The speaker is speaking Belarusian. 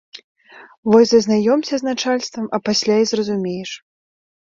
Вось зазнаёмся з начальствам, а пасля і зразумееш.